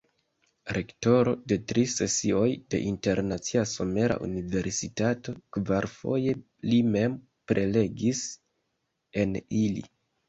Rektoro de tri sesioj de Internacia Somera Universitato, kvarfoje li mem prelegis en ili.